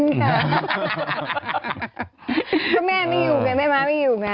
ก็แม่ไม่อยู่ไงแม่ม้าไม่อยู่ไง